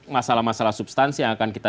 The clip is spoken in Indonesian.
masalah masalah substansi yang akan kita